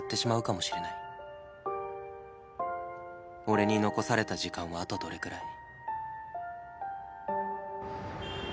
俺に残された時間はあとどれくらい